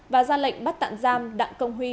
và ra lệnh bắt tạm giam đặng công huy